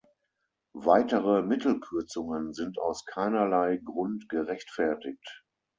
Weitere Mittelkürzungen sind aus keinerlei Grund gerechtfertigt.